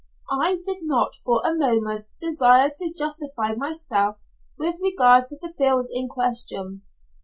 I did not for a moment desire to justify myself with regard to the bills in question.